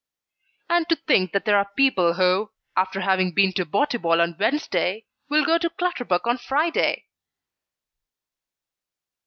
And to think that there are people who, after having been to Botibol on Wednesday, will go to Clutterbuck on Friday!